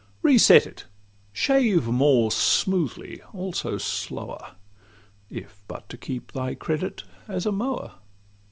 Reset it; shave more smoothly, also slower, If but to keep thy credit as a mower.